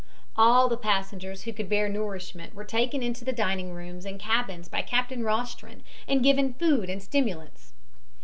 All the passengers who could bear nourishment were taken into the dining rooms and cabins by Captain Rostron and given food and stimulants.